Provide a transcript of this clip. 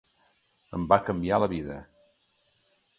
Em va canviar la vida.